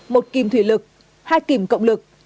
một kìm thủy lực hai kìm cộng lực